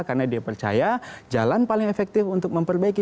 karena dia percaya jalan paling efektif untuk memperbaiki